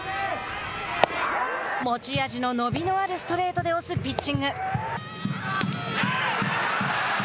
持ち味の伸びのあるストレートで押すピッチング。